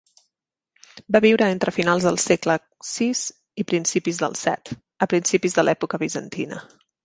Va viure entre finals del segle VI i principis del VII, a principis de l'època bizantina.